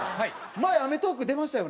前『アメトーーク』出ましたよね？